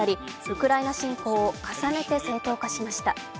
ウクライナ侵攻を重ねて正当化しました。